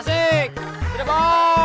tasik cirebon cirebon